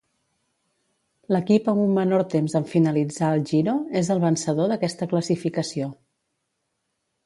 L'equip amb un menor temps en finalitzar el Giro és el vencedor d'aquesta classificació.